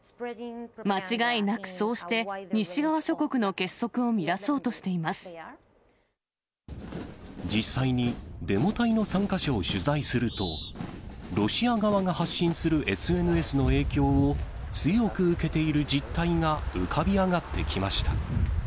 間違いなくそうして、西側諸国の実際に、デモ隊の参加者を取材すると、ロシア側が発信するＳＮＳの影響を強く受けている実態が浮かび上がってきました。